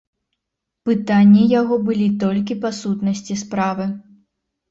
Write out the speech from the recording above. Пытанні яго былі толькі па сутнасці справы.